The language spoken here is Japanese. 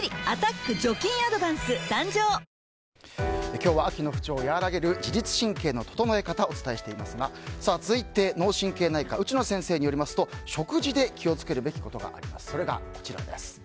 今日は秋の不調を和らげる自律神経の整え方をお伝えしていますが、続いて脳神経内科内野先生によりますと食事で気を付けるべきことがあります。